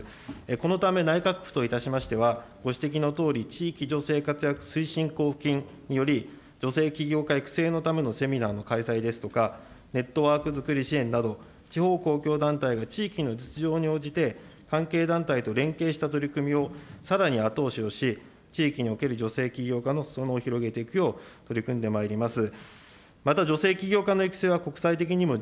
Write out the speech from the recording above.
このため、内閣府といたしましては、ご指摘のとおり、地域女性活躍推進交付金により、女性起業家育成のためのセミナーの開催ですとか、ネットワーク作り支援など、地方公共団体が地域の実情に応じて関係団体と連携した取り組みをさらに後押しをし、地域における女性企業家のすそ野を広げていくよう取り組んでまいります。